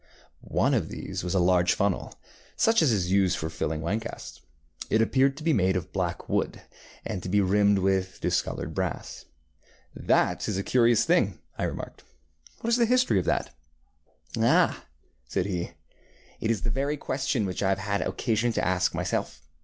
One of these was a large funnel, such as is used for filling wine casks. It appeared to be made of black wood, and to be rimmed with discoloured brass. ŌĆ£That is a curious thing, ŌĆØ I remarked. ŌĆ£What is the history of that? ŌĆØ ŌĆ£Ah! ŌĆØ said he, ŌĆ£it is the very question which I have had occasion to ask myself.